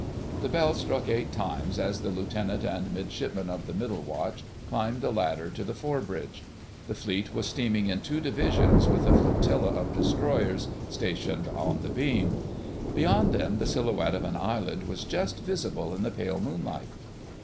The bell struck eight times as the Lieutenant and Midshipman of the Middle Watch climbed the ladder to the fore bridge. The Fleet was steaming in two divisions, with a flotilla of destroyers stationed on the beam. Beyond them the silhouette of an island was just visible in the pale moonlight.